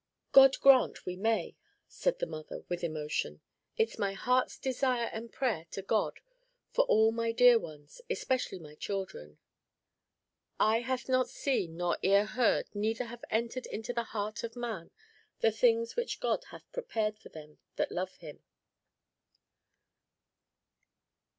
"God grant we may!" said the mother, with emotion, "it is my heart's desire and prayer to God for all my dear ones, especially my children. 'Eye hath not seen, nor ear heard, neither have entered into the heart of man, the things which God hath prepared for them that love him.'"